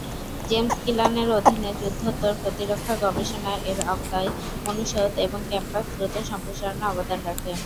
James কিলান-এর অধীনে যুদ্ধোত্তর প্রতিরক্ষা গবেষণা এর আওতায় অনুষদ এবং ক্যাম্পাস দ্রুত সম্প্রসারণে অবদান রাখে।